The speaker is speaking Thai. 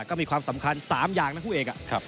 ก็มีความสำคัญ๓อย่างนะคู่เอก